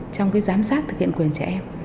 trong cái giám sát thực hiện quyền trẻ em